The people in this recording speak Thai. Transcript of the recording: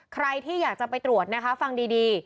ใครที่อยากจะไปตรวจนะคะฟังดี